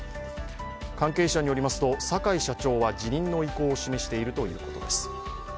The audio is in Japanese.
関係者によりますと、坂井社長は辞任の意向を示しているということです。